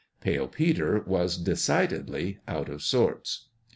Pale Peter was de cidedly out of sorts.